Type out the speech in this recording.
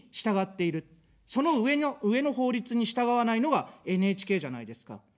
その上の、上の法律に従わないのはＮＨＫじゃないですか。